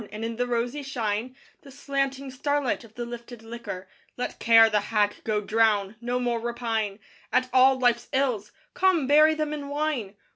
and in the rosy shine, The slanting starlight of the lifted liquor, Let Care, the hag, go drown! No more repine At all life's ills! Come, bury them in wine!